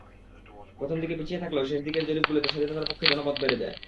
প্রথম দিকে পিছিয়ে থাকলেও শেষ দিকের জরিপগুলোতে স্বাধীনতার পক্ষে জনমত বেড়ে যায়।